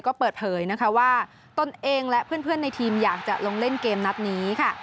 ก็เปิดเผยนะคะว่าตนเองและเพื่อนในทีมอยากจะลงเล่นเกมนัดนี้ค่ะ